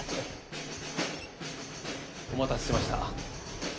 お待たせしました。